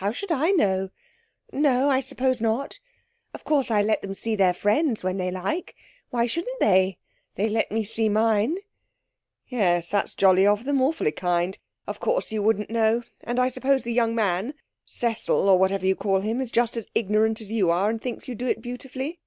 'How should I know? No; I suppose not. Of course, I let them see their friends when they like. Why shouldn't they? They let me see mine.' 'Yes! that's jolly of them awfully kind. Of course you wouldn't know. And I suppose the young man, Cecil, or whatever you call him, is just as ignorant as you are, and thinks you do it beautifully?'